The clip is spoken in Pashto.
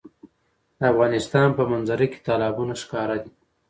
د افغانستان په منظره کې تالابونه ښکاره ده.